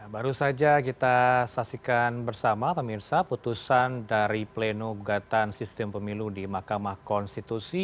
baru saja kita saksikan bersama pemirsa putusan dari plenugatan sistem pemilu di makamah konstitusi